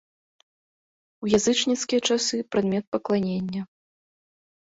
У язычніцкія часы прадмет пакланення.